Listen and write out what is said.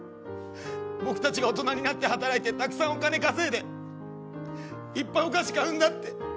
僕たちが大人になって働いてたくさんお金稼いでいっぱいお菓子買うんだって。